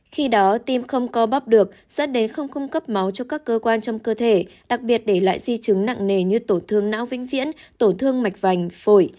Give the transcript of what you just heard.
khi đó tim không co bóp được dắt đến không cung cấp máu cho các cơ quan trong cơ thể đặc biệt để lại di chứng nặng nề như tổ thương não vĩnh viễn tổ thương mạch vành phổi